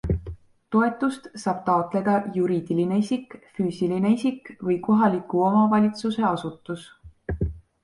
Toetust saab taotleda juriidiline isik, füüsiline isik või kohaliku omavalitsuse asutus.